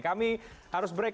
kami harus break